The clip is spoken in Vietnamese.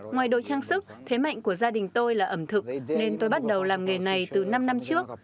ngoài đồ trang sức thế mạnh của gia đình tôi là ẩm thực nên tôi bắt đầu làm nghề này từ năm năm trước